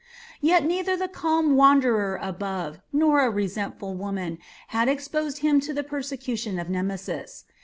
Yet neither the calm wanderer above nor a resentful woman had exposed him to the persecution of Nemesis.